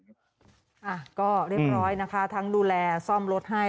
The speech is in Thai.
อ่ะก็เรียบร้อยนะคะทั้งดูแลซ่อมรถให้